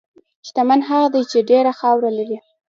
شتمن هغه دی چې ډېره خاوره لري.